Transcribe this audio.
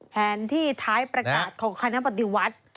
แผนที่ท้ายประกาศของคณะปฏิวัติ